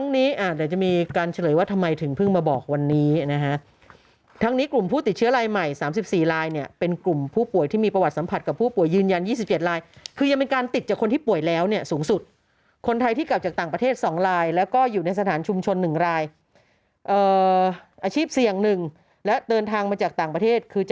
นี้อาจจะมีการเฉลยว่าทำไมถึงเพิ่งมาบอกวันนี้นะฮะทั้งนี้กลุ่มผู้ติดเชื้อลายใหม่๓๔ลายเนี่ยเป็นกลุ่มผู้ป่วยที่มีประวัติสัมผัสกับผู้ป่วยยืนยัน๒๗ลายคือยังเป็นการติดจากคนที่ป่วยแล้วเนี่ยสูงสุดคนไทยที่กลับจากต่างประเทศ๒ลายแล้วก็อยู่ในสถานชุมชน๑รายอาชีพเสี่ยง๑และเดินทางมาจากต่างประเทศคือจะ